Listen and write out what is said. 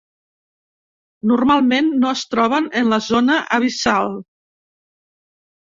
Normalment no es troben en la zona abissal.